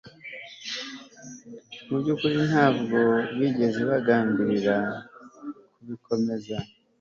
Mubyukuri ntabwo bigeze bagambirira kubikomeza